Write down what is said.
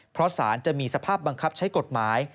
เพราะสารจะมีสภาพบังคับใช้กฎหมาย